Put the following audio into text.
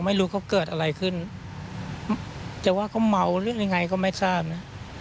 ไม่รู้เขาเกิดอะไรขึ้นจะว่าเขาเมาหรือยังไงก็ไม่ทราบนะ